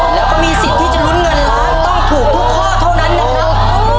แล้วก็มีสิทธิ์ที่จะลุ้นเงินล้านต้องถูกทุกข้อเท่านั้นนะครับ